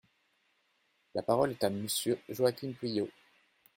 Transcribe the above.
La parole est à Monsieur Joaquim Pueyo.